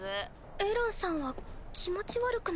エランさんは気持ち悪くなんか。